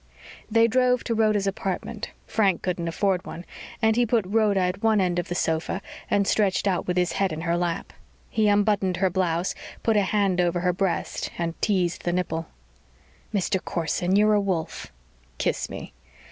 They drove to Rhoda's apartment Frank couldn't afford one and he put Rhoda at one end of the sofa and stretched out with his head in her lap. He unbuttoned her blouse, put a hand over her breast, and teased the nipple. "Mr. Corson, you're a wolf." "Kiss me."